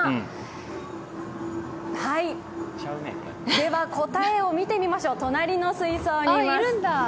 では答えを見てみましょう隣の水槽にいます。